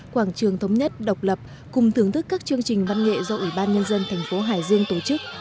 quảng trường thống nhất độc lập cùng thưởng thức các chương trình văn nghệ do ủy ban nhân dân thành phố hải dương tổ chức